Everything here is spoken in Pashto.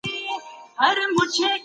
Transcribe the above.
د ضرورت پر مهال سخاوت وکړئ.